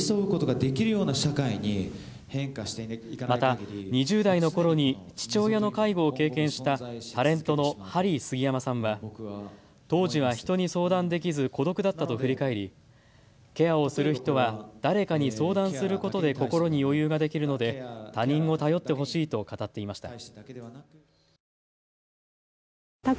また２０代のころに父親の介護を経験したタレントのハリー杉山さんは当時は人に相談できず孤独だったと振り返りケアをする人は誰かに相談することで心に余裕ができるので他人を頼ってほしいと語っていました。